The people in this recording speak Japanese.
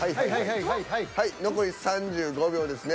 はい残り３５秒ですね。